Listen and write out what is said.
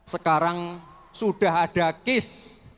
sekarang sudah ada kis